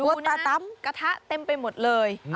ตาตำกระทะเต็มไปหมดเลย